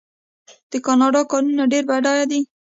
د کاناډا کانونه ډیر بډایه دي.